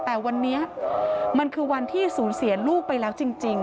แต่วันนี้มันคือวันที่สูญเสียลูกไปแล้วจริง